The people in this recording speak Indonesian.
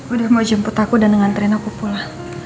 udah mau jemput aku dan nganterin aku pulang